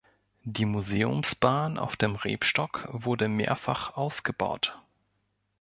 Die Museumsbahn auf dem Rebstock wurde mehrfach ausgebaut.